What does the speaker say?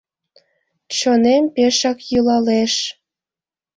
Чонем пешак йӱлалеш!